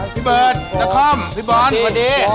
พี่เบิร์ดนักคอมพี่บอลวันนี้